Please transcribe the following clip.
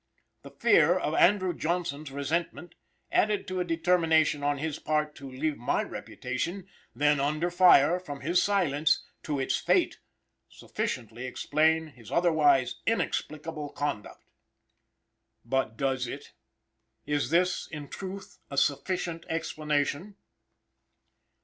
"The fear of Andrew Johnson's resentment, added to a determination on his part to leave my reputation then under fire from his silence to its fate, sufficiently explain his otherwise inexplicable conduct." But does it? Is this in truth a sufficient explanation?